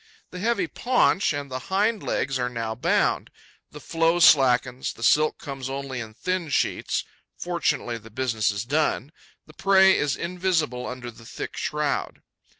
The heavy paunch and the hind legs are now bound. The flow slackens, the silk comes only in thin sheets. Fortunately, the business is done. The prey is invisible under the thick shroud.